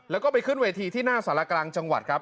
แล้วก็ไปขึ้นเวทีที่หน้าสารกลางจังหวัดครับ